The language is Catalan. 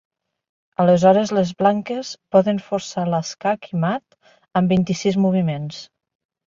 Aleshores les blanques poden forçar l'escac i mat en vint-i-sis moviments.